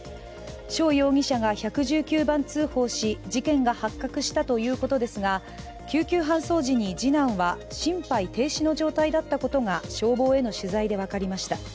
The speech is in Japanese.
翔容疑者が１１９番通報し事件が発覚したということですが、救急搬送時に次男は心肺停止の状態だったことが消防への取材で分かりました。